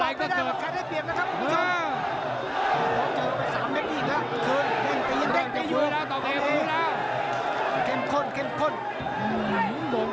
เย็บทุกโมงเล็กน้อย